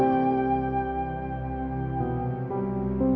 perlu dukung dahulu